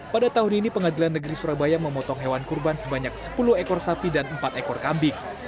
pada tahun ini pengadilan negeri surabaya memotong hewan kurban sebanyak sepuluh ekor sapi dan empat ekor kambing